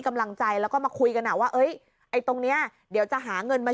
กำลังใจแล้วก็มาคุยกันอ่ะว่าเอ้ยไอ้ตรงเนี้ยเดี๋ยวจะหาเงินมา